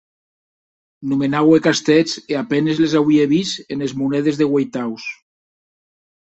Nomenaue castèths e a penes les auie vist enes monedes de ueitaus.